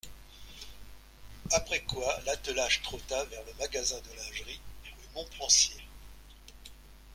Après quoi, l'attelage trotta vers le magasin de lingerie, rue Montpensier.